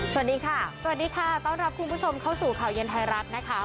สวัสดีค่ะสวัสดีค่ะต้อนรับคุณผู้ชมเข้าสู่ข่าวเย็นไทยรัฐนะคะ